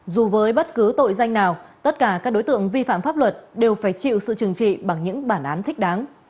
dù với bất cứ tội danh nào tất cả các đối tượng vi phạm pháp luật đều phải chịu sự trừng trị bằng những bản án thích đáng